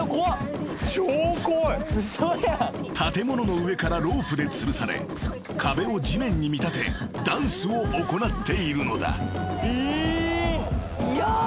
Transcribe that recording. ［建物の上からロープでつるされ壁を地面に見立てダンスを行っているのだ］